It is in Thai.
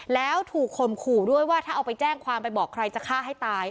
แล้วถูกข่มขู่ด้วยว่าถ้าเอาไปแจ้งความไปบอกใครจะฆ่าให้ตาย